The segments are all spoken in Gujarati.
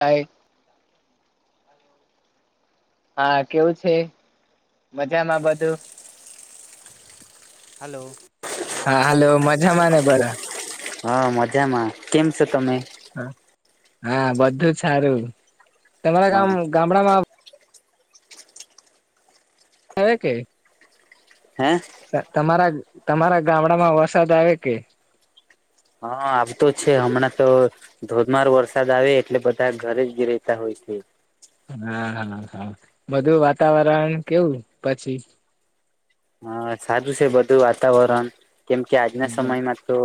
હાઈ હા કેવું છે મજામાં બધું હલો હા હાલો મજામાં ને બધા હા મજામાં કેમ છો તમે હા બધું જ સારું તમારા હા ગામ ગામડામાં હ કે હે તમારા તમારા ગામડામાં વરસાદ આવે કે હા આવ તો છે હમણાં તો ધોધમાર વરસાદ આવે એટલે બધા ઘરે જ ગી રતા હોય છે. હા હા હા બધું વાતાવરણ કેવું પછી. હ સારું છે બધું વાતાવરણ કેમ કે આજના સમયમાં તો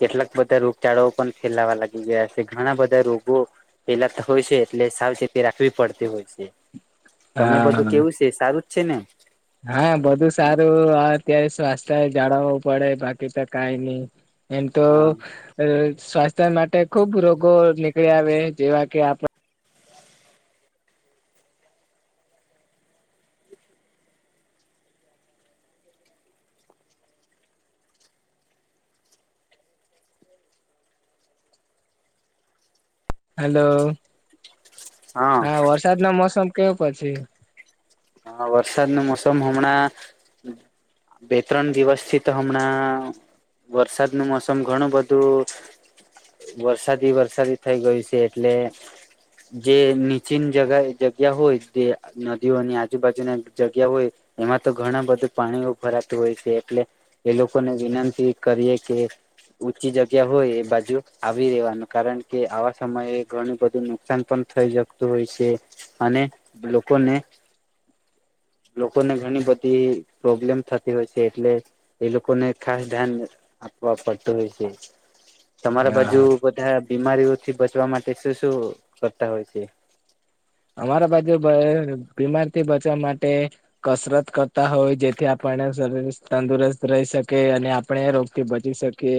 કેટલાક બધા રોગચાળાઓ પણ ફેલાવા લાગી ગયા છે ઘણા બધા રોગો. પેલા તો હોય છે એટલે સાવચેતી રાખવી પડતી હોય છે. હા તમે બધું હા કેવું છે સારું જ છે ને હા બધું સારું અત્યારે સ્વાસ્થ્ય જાળવવું પડે બાકી તો કઈ નઈ. એમ તો હા સ્વાસ્થ્ય માટે ખુબ રોગો નીકળી આવે જેવા કે આપ હેલો હા વરસાદ ના મોસમ કેયો પછી. હા વરસાદ નું મોસમ હમણાં બે ત્રણ દિવસ થી તો હમણાં વરસાદ નું મોસમ ઘણું બધું. વરસાદી વરસાદી થઇ ગયું છે એટલે. જે નીચીન જ જગ્યા હોય તે નદીઓની આ આજુબાજુ ના જગ્યા હોય એમાં તો ઘણા બધું પાણીઓ ભરાતું હોય છે એટલે એ લોકોને વિનંતી કરીએ કે ઊંચી જગ્યા હોય એ બાજુ આવી રેવાનું કારણ કે આવા સમયે ઘણું બધું નુકસાન પણ થઈ જકતું હોય છે અને લોકોને લોકોને ઘણી બધી પ્રોબ્લેમ થતી હોય છે એટલે એ લોકોને ખાસ ધ્યાન અપ પટેું પ છે. તમારા બાજુ હા બધા બીમારીઓથી બચવા માટે શું શું કરતા હોય છે. અમારા બાજુ બીમાર થી બચવા માટે કસરત કરતા હોય જેથી આપણને શરીર તંદુરસ્ત રહી શકે અને આપણે રોગ થી બચી શકે કે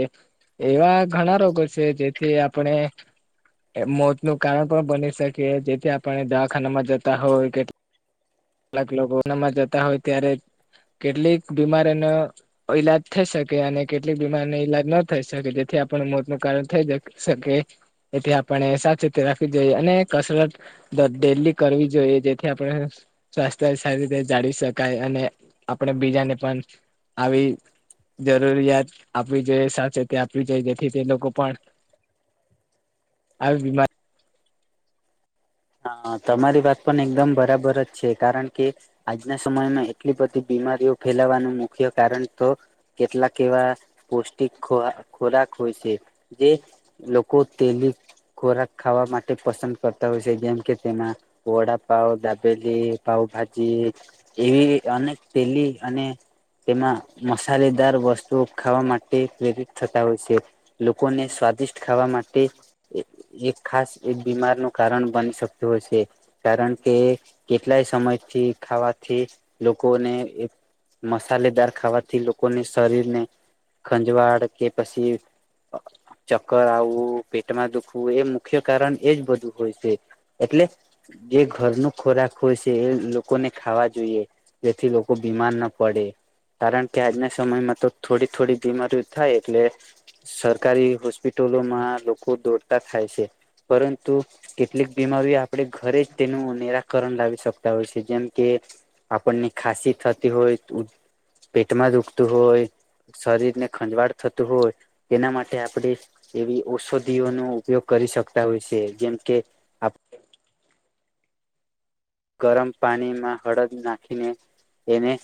એવા ઘણા રોગો છે જેથી આપણે મોત નું કારણ પણ બની શકે જેથી આપણે દવાખાનામાં જતા હોય કે કેટલાક લોકો એનામાં જતા હોય ત્યારે કેટલીક બીમારીને ઈલાજ થઈ શકે અને કેટલીક બીમારીને ઈલાજ ન થઈ શકે જેથી આપણ મોત નું કારણ થઈ જ શકે. એથી આપણે સાચ રીતે રાખવી જોઈએ અને કસરત. ડેલી કરવી જોઈએ જેથી આપણે સ્વાસ્થ્ય સારી રીતે જાળવી શકાય અને આપણે બીજાને પણ આવી જરૂરિયાત આપવી જોઈએ સાથે તે આપવી જોઈએ જેથી તે લોકો પણ આવી બીમા. હા તમારી વાત પણ એકદમ બરાબર જ છે કારણ કે આજના સમયમાં એટલી બધી બીમારીઓ ફેલાવાનું મુખ્ય કારણ તો કેટલાક એવા પૌષ્ટિક ખોરાક હોય છે જે લોકો તેલી ખોરાક ખાવા માટે પસંદ કરતા હોય છે સડીમ કેમાં વડા પાઉ ડાબેલી પાઉ ભાજી એવી અનેક પેલી અને તેમાં મસાલેદાર વસ્તુ ખાવા માટે પ્રેરિત થતા હોય છે. લોકોને સ્વાદિષ્ટ ખાવા માટે એક ખાસ એક બીમાર નું કારણ બની શકત હોય છે. કારણ કે કેટલાય સમયથી ખાવાથી લોકોને. મસાલેદાર ખાવાથી લોકોને શરીર ને ખંજવાળ કે પછી. ચક્કર આવવું પેટમાં દુખવું એ મુખ્ય કારણ એજ બધું હોય છે. એટલે જે ઘર ન ખોરાક. હોય છે એ લોકોને ખાવા જોઈએ જેથી લોકો બીમાર ના પડે કારણ કે આજના સમયમાં તો થોડી થોડી બીમારીઓ થાય એટલે સરકારી હોસ્પિટલોમાં લોકો દોડતા થાય છે પરંતુ કેટલીક બીમારીઓ આપણે ઘરે તેનું નિરાકરણ લાવી શકતા હોય છે જેમ કે આપણને ખાંસી થતી હોય પેટમાં દુખતું હોય શરીર ને ખંજવાળ થતું હોય એના માટે આપણે એવી ઔષધિનો ઉપયોગ કરી શકતા હોય છે જેમ કે આપ ગરમ પાણી માં હળદ નાખીને એને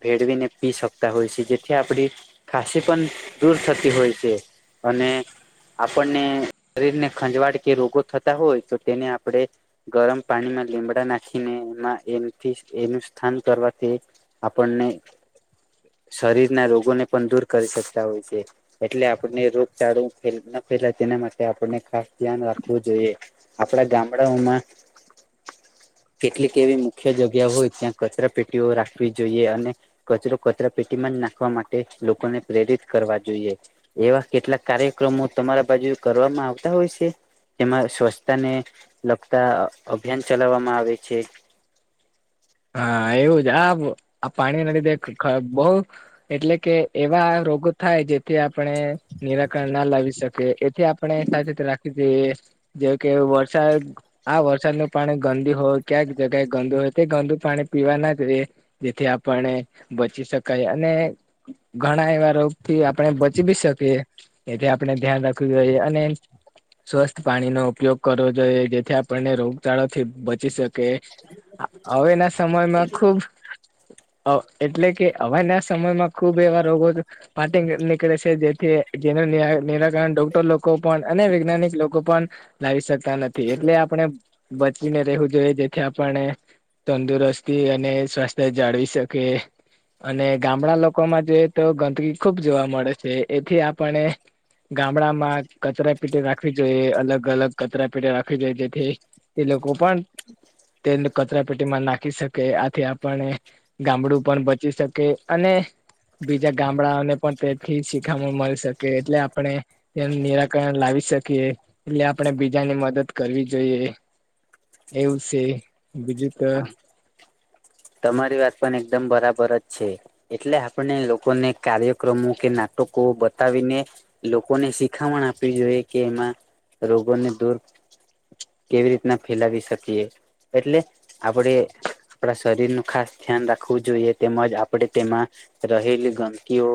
ભેડ બને પી સકતા હોય છે જેથી આપડી ખાંસી પણ દૂર થતી હોય છે અને આપણને શરીરને ખંજવાળ કે રોગો થતા હોય તો તેને આપણેે ગરમ પાણી માં લીંબ નાખીને એમાંથી એનું સ્થાન કરવા આપણને શરીર ના રોગોને પણ દૂર કરી શકતા હોય છે એટલે આપણને રોગચાળું ન ફેલાય તેના માટે આપણને ખાસ ધ્યાન રાખવું જોઈએ આપડા ગામડાઓમાં કેટલીક એવી મુખ્ય જગ્યા હોય ત્યાં કચરા પેટીઓ રાખવી જોઈએ અને કચરો કચરા પેટીમાં જ નાખવા માટે લોકોને પ્રેરિત કરવા જોઈએ એવા કેટલાક કાર્યક્રમો તમારા બાજુ કરવામાં આવતા હોય છે જેમાં સ્વચ્છતાને લગતા અભિયાન ચલાવવામાં આવે છે હા એવું જ આ પાણીના લીધે બહ એટલે કે એવા રોગો થાય જેથી આપણે નિરાકરણ ના લાવી શકીએ એથી આપ આપણે સાચી રાખી છે જે કે વરસાદ આ વરસાદનું પાણી ગંદી હોય ક્યા જગ્યાએ ગંદુ હોય તે ગંદુ પાણી પીવા ના જ ર જેથી આપને બચી શકાય અને ઘણા એવા થી આપણે બચીવીી શકીએ એથી આપણે ધ્યાન રાખવું જોઈએ અને સ્વસ્થ પાણી નો ઉપયોગ કરવો જોઈએ જેથી આપણને રોગચાળો થી બચી શકે કે હવેના સમયમાં ખુબ એટલે કે હવાના સમયમાં ખુબ એવા રોગો પાર્ટી નીકળે છે જેથી જેનું નિરાકરણ ડોક્ટર લોકો પણ અને વૈજ્ઞાનિક લોકો પણ લાવી શકતા નથી એટલે આપણે બચીને રહેેવું જોઈએ જેથી આપને તંદુરસ્ત અને સ્વાસ્થ્ય જાળવી શકે અને ગામડા લોકોમાં જોઈએ તો ગંદકી ખુબ જોવા મળે છે એથી આપણે ગામડામાં કચરા પેટી રાખવી જોઈએ અલગ અલગ કચરા પેટી રાખવી જોઈએ જેથી તે લોકો પણ તેને કચરા પેટીમાં નાખી શકે કે આથી આપને ગામડું પણ બચી શકે અને બીજા ગામડાઓને પણ તેથી શીખામણ મળી શકે એટલે આપણે એનું નિરાકરણ લાવી શકીએ એટલે આપણેે બીજાની મદદ કરવી જોઈએ એવું છે બીજું તો હા [inaudible] તમારી વાત પણ એકદમ બરાબર જ છે એટલે આપણે લોકોને કાર્યક્રમો કે નાટકો બતાવીને લોકોને શિખામણ આપવી જોઈએ કે એમાં રોગોને દૂર કેવી રીતના ફેલાવી શકીએ એટલે આપણે આપણા શરીર ન ખાસ ધ્યાન રાખવું જોઈએ તેમજ આપણે તેમાં રહેલી ગમકીઓ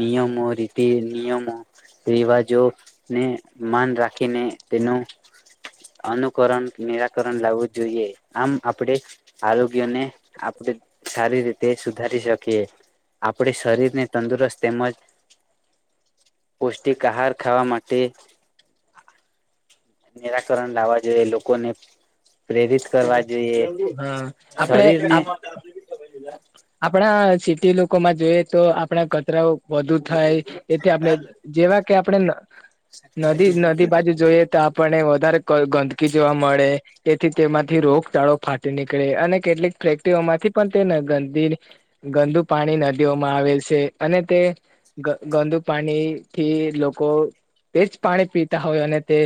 નિયમો રીતિ નિયમો રિવાજો ને માન રાખીને તેનો અનુકરણ નિરાકરણ લાવવું જોઈએ આમ આપણે આરોગ્યને આપણે સારી રીતે સુધારી શકીએ આપણે શરીર ને તંદુરસ્ત તેમજ પૌષ્ટિક આહાર ખાવા માટે નિરાકરણ લાવવા જોઈએ લોકોને પ્રેરિત કરવા જોઈએ હા આપણે શરીર ને આપણા સિટી લોકોમાં જોઈએ તો આપડા કચરાઓ વધુ થાય એથી આપણે જેવા કે આપણે [unintelligible] જોએ તો આપણને વધારે ગંદકી જોવા મળે તેથી તેમાંથી રોગચાળો ફાટી નીકળે અને કેટલીક ફેક્ટરીઓમાંથી પણ તેને ગંદી ગંદુ પાણી નદીઓમાં આવેલ છે અને તે ગ ગંદુ પાણી થી લોકો તે જ પાણી પીતા હોય અને તે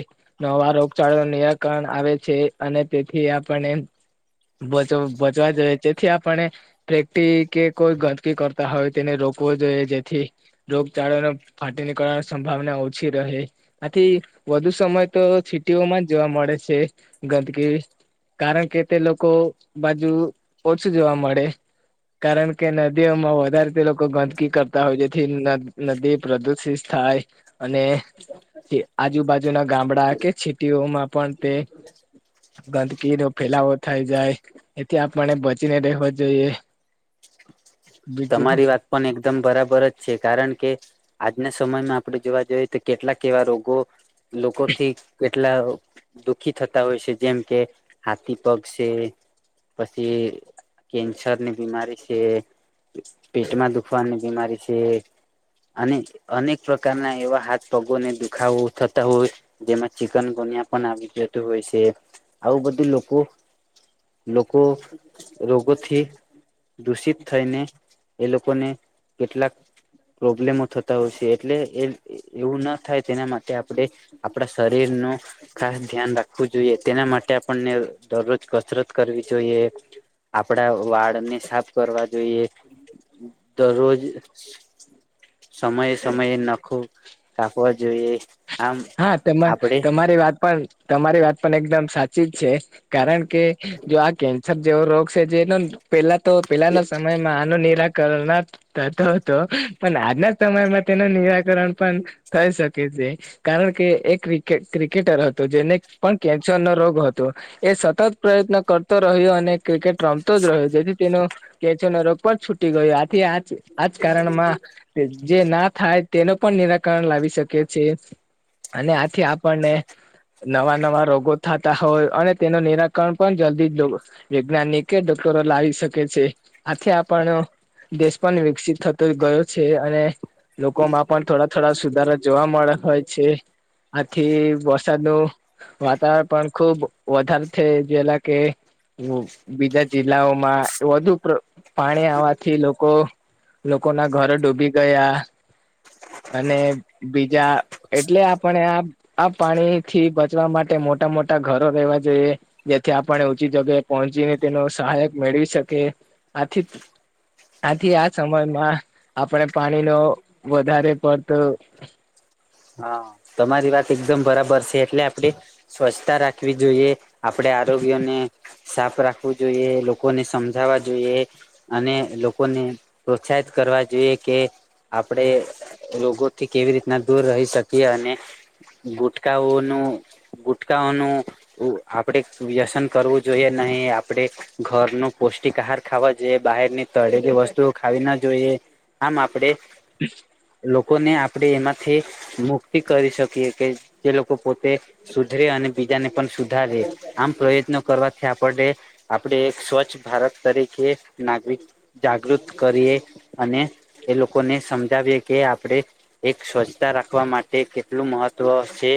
નવા રોગચાળા નિરાકરણ આવે છે અને તેથી આપણે બચ બચવા જોઈએ જેથી આપણે [unintelligible] કે કોઈ ગંદકી કરતા હોય તેને રોકવો જોઈએ જેથી રોગચાળાને ફાટી નીકળવાની સંભાવના ઓછી રહે આથી વધુ સમય તો છીટીઓમાં જ જોવા મળે છે ગંદકી કારણ કે તે લોકો બાજુ ઓછું જોવા મળે કારણ કે નદીઓમાં વધારે તે લોકો ગંદકી કરતા હોય જેથી નદી પ્રદુષિત થાય અને આજુબાજુ ના ગામડા કે છીટીઓમાં પણ તે ગંદકીનો ફેલાવો થાય જાય એથી આપણે બચીને રહેેવો જોઈએ બીજું તમારી વાત પણ એકદમ બરાબર જ છે કારણ કે આજના સમયમાં આપડણે જોવા જોઈએ તો કેટલાક એવા રોગો લોકોથી એટલા દુઃખી થતા હોય છે જેમ કે હાથી પગ છે પછી કેન્સર ની બીમારી છે પેટમાં દુખવાની બીમારી છે અને અનેક પ્રકારના એવા હાથ પગોને દુખાવો થતા હોય જેમાં ચિકન ગુનિયા પણ આવી જતું હોય છે આવું બધું લોકો લોકો રોગોથી દૂષિત થઈને એ લોકોને કેટલાક પ્રોબ્લેમો થતા હોય છે એટલે એવું ના થાય તેના માટે આપણે આપણા શરીર ન ખાસ ધ્યાન રાખવું જોઈએ તેના માટે આપણને દરરોજ કસરત કરવી જોઈએ આપણા વાળને સાફ કરવા જોઈએ દરરોજ સમયે સમયે નાખો કાપવા જોઈએ આમ હા તમા આપડે તમારી વાત પણ તમારી વાત પણ એકદમ સાચી જ છે કારણ કે જો આ કેન્સર જેવો રોગ છે જે એનો પેલા તો પેલાના સમયમાં આનું નિરાકરણના થતો હતો પણ આજના સમયમાં તેનું નિરાકરણ પણ થઈ શકે છે. કારણ કે એક્ર ક્રિકેટર હતું જેને પણ કેન્સર નો રોગ હતો. એ સતત પ્રયત્ન કરતો રહ્યો અને ક્રિકેટ રમતો જ રહ્યો જેથી તેનો કેચો ઉપ છૂટી ગયો આથી આ આજ કારણમાં જે ના થાય. તેનું પણ નિરાકરણ લાવી શકે છે. અને આથી આપણને નવા નવા રોગો. થતા હોય અને તેનું નિરાકરણ પણ જલ્દી જ વૈજ્ઞાનિક એ ડોક્ટરો લાવી શકે છે આથી આપણ. દેશ પણ વિકસિત થતો ગયો છે અને. લોકોમાં પણ થોડા થોડા સુધારા જોવા મળે હોય છે આથી વરસાદ ન. વાતાવરણ પણ ખુબ વધારે છે જેલા કે બીજા જિલ્લાઓમાં વધુ પાણી આવવાથી લોકો લોકો ના ઘરો ડૂબી ગયા અને બીજા. એટલે આપણે આ આ પાણી થી બચવા માટે મોટા મોટા ઘરો રહેેવા જઈએ. જેથી આપણે ઓચી જગ્યાએ પહોંચીને તેનો સહાયક મેળવી શકે આથી આથી આ સમયમાં આપણેે પાણી ન વધારે પડતો હા તમારી વાત એકદમ બરાબર છે એટલે આપડે સ્વચ્છતા રાખવી જોઈએ. આપડે આરોગ્યને સાફ રાખવું જોઈએ લોકોને સમજાવવા જોઈએ. અને લોકોને પ્રોત્સાહિત કરવા જોઈએ કે આપણેે રોગોથી કેવી રીતના દૂર રહી શકીએ અને ગુટકાઓનું ગુટકાઓનું આપડે વ્યસન કરવું જોઈએ નહી આપડે ઘર ન પૌષ્ટિક આહાર ખાવા જે બહારની તળેલી કે વસ્તુઓ ખાવી ના જોઈએ આમ આપડે. લોકોને આપડે એમાં થી મુક્તિ કરી શકીએ કે જે લોકો પોતે સુધરે અને બીજાને પણ સુધારે આમ પ્રયત્નો કરવાથી આપને આપડ એક સ્વચ્છ ભારત તરીકે નાગરિક જાગૃત કરીએ અને એ લોકોને સમજાવીએ કે આપણે સ્વચ્છતા રાખવા માટે કેટલું મહત્વ છે.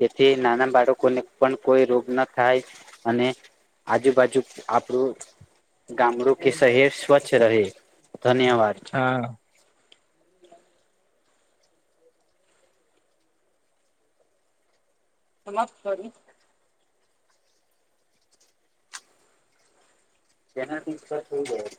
તેથી નાના બાળકો ને પણ કોઈ રોગ ના થાય અને આજુબાજુ આપણું ગામડું કે શહેર સ્વચ્છ રહે ધન્યવાદ. હા. સમસ્રી. [inaudible] તેને ત ચ્છા થવ. [inaudible]